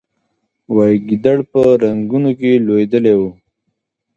وایي ګیدړ په رنګونو کې لوېدلی و.